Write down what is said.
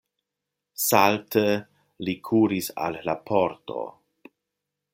Salte li kuris al la pordo.